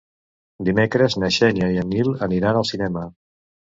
Dimecres na Xènia i en Nil aniran al cinema.